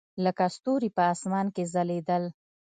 لکه ستوري په اسمان کښې ځلېدل.